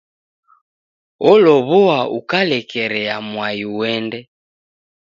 Olow'oa ukalekerea mwai uende.